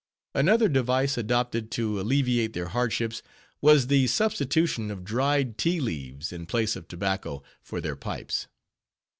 Another device adopted to alleviate their hardships, was the substitution of dried tea leaves, in place of tobacco, for their pipes.